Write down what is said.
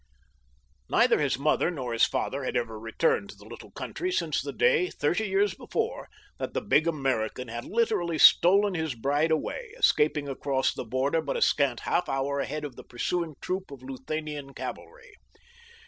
Neither his mother nor his father had ever returned to the little country since the day, thirty years before, that the big American had literally stolen his bride away, escaping across the border but a scant half hour ahead of the pursuing troop of Luthanian cavalry.